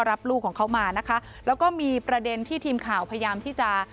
รับลูกของเขามานะคะแล้วก็มีประเด็นที่ทีมข่าวพยายามที่จะ